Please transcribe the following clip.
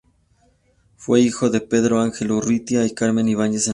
Fue hijo de "Pedro Ángel Urrutia" y "Carmen Ibáñez Henríquez".